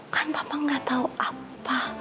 kan bapak gak tau apa